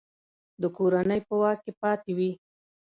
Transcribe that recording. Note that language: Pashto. د کورنۍ په واک کې پاته وي.